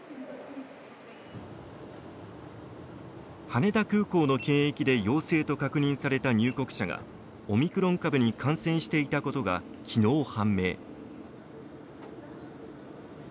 羽田空港の検疫で陽性と確認された入国者がオミクロン株に感染していたことがきのう判明。